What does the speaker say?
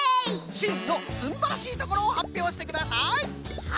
しんのすんばらしいところをはっぴょうしてください！